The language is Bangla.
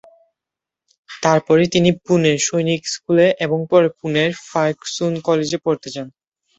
তারপরে তিনি পুনের সৈনিক স্কুলে এবং পরে পুনের ফার্গুসন কলেজে পড়তে যান।